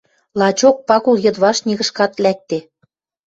— Лачок, Пагул йыдвашт нигышкат лӓкде.